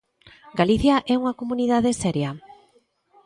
¿Galicia é unha comunidade seria?